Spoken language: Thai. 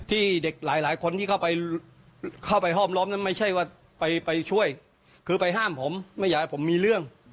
ที่เด็กหลายคนที่เข้าไปห้อมล้อมนั้นไม่ใช่ว่าไปช่วยคือไปห้ามผมไม่อยากให้ผมมีเรื่อง